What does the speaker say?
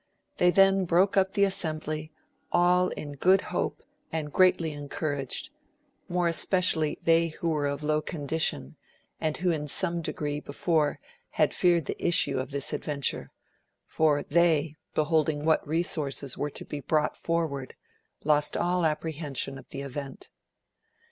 They then broke up the assembly, all in good hope and greatly encouraged, more especially they who were of low condition and who in some de gree before had feared the issue of this adventure, for they beholding what resources were to be brought forward lost all apprehension of the event.